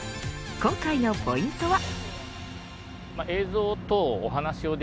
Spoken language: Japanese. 今回のポイントは。